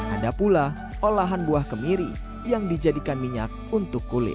ada pula olahan buah kemiri yang dijadikan minyak untuk kulit